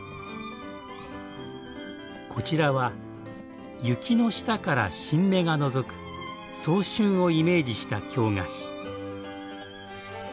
こちらは雪の下から新芽がのぞく早春をイメージした京菓子。